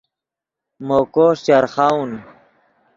مو کوݰ چرخاؤن